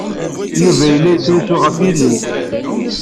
Yuba yella yettrusu ɣef yilel.